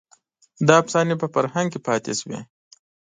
دا افسانې په فرهنګ کې پاتې شوې.